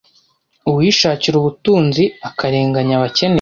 Uwishakira ubutunzi akarenganya abakene